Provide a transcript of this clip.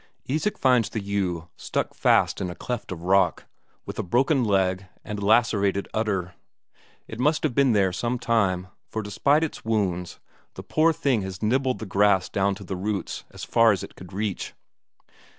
Isak finds the ewe stuck fast in a cleft of rock, with a broken leg and lacerated udder. It must have been there some time, for, despite its wounds, the poor thing has nibbled the grass down to the roots as far as it could reach.